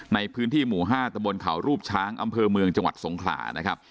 ในพื้นที่หมู่๕ตะบนเขารูปช้างอำเภอเมืองจังหวัดสงขลานะครับ